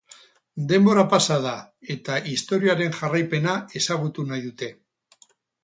Denbora pasa da eta istorioaren jarraipena ezagutu nahi dute.